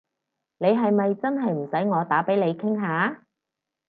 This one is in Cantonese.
你係咪真係唔使我打畀你傾下？